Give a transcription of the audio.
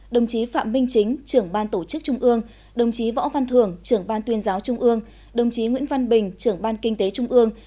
đồng chí phạm minh chính trưởng ban tổ chức trung ương đồng chí võ văn thường trưởng ban tuyên giáo trung ương đồng chí nguyễn văn bình trưởng ban kinh tế trung ương